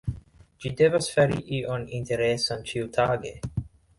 Ĝi devas fari ion interesan ĉiutage.